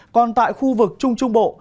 còn tại khu vực trung trung bộ